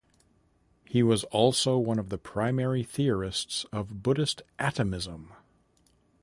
He was also one of the primary theorists of Buddhist atomism.